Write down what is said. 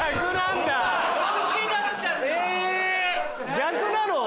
逆なの？